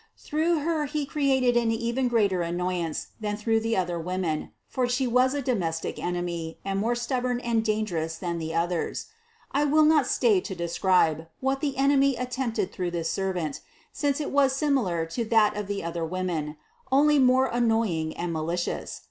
Through her he cre ated even a greater annoyance than through the other women, for she was a domestic enemy and more stub born and dangerous than the others. I will not stay to describe, what the enemy attempted through this ser vant, since it was similar to that of the other woman, only more annoying and malicious.